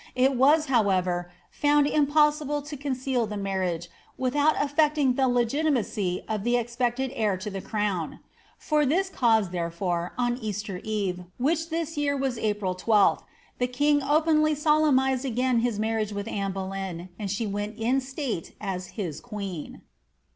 It was, however, found impossible to conceal the marriage, without aiiecting the legitimacy of the expected heir to the crown. For this cause, therefore, on Easter eve, which this year was April 1 2th, the king openly solemnised again his marriage with Anne Boleyn, and she went in state as his queen.